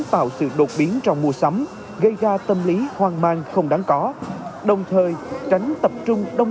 tạo sự đột biến trong mua sắm gây ra tâm lý hoang mang không đáng có đồng thời tránh tập trung đông